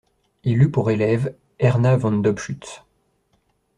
Il eut pour élève Erna von Dobschütz.